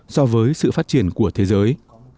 so với sự phát triển của thế giới